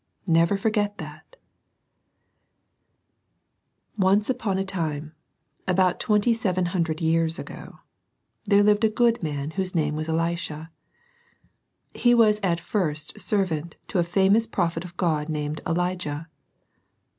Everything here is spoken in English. Never forget that ! Once on a time, about twenty seven hundred years ago, there lived a good man whose name was Elisha He was at first servant to a famous prophet of God named Elijah.